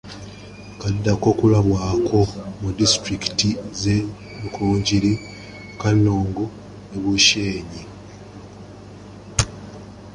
Kaddako okulabwako mu disitulikiti z’e Rukungiri, Kanungu ne Bushenyi.